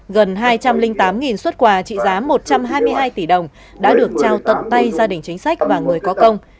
gần hai trăm linh tám xuất quà trị giá một trăm hai mươi hai tỷ đồng đã được trao tận tay gia đình chính sách và người có công